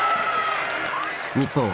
日本